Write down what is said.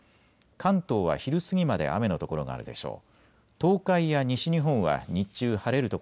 関東は昼過ぎまで雨の所があるでしょう。